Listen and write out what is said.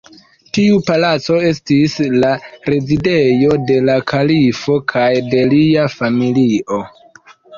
Tiu Palaco estis la rezidejo de la kalifo kaj de lia familio.